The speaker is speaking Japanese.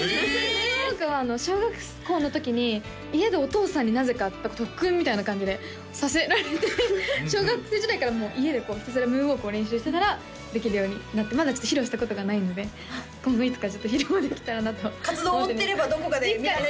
ムーンウォークは小学校の時に家でお父さんになぜか特訓みたいな感じでさせられて小学生時代からもう家でひたすらムーンウォークを練習してたらできるようになってまだ披露したことがないので今後いつかちょっと披露できたらなと活動を追ってればどこかでいつかね